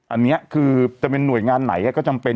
อันนี้คือจะเป็นหน่วยงานไหนก็จำเป็น